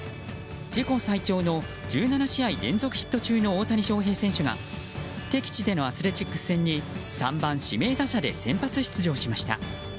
自己最長の１７試合連続ヒット中の大谷翔平選手が敵地でのアスレチックス戦に３番指名打者で先発出場しました。